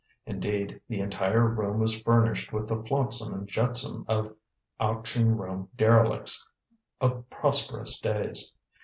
Indeed, the entire house was furnished with the flotsam and jetsam of auction room derelicts of prosperous days.